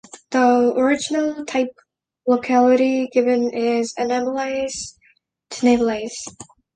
The original type locality given is Anamallays, Tinnevellys.